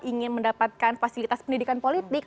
ingin mendapatkan fasilitas pendidikan politik